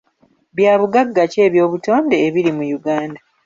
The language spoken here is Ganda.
Bya bugagga ki eby'obutonde ebiri mu Uganda?